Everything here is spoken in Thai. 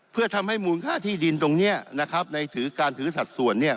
เพื่อทำให้มูลค่าที่ดินตรงนี้นะครับในถือการถือสัดส่วนเนี่ย